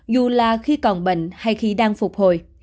dù là khi còn bệnh hay khi đang phục hồi